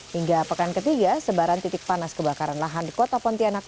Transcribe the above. hingga pekan ketiga sebaran titik panas kebakaran lahan di kota pontianak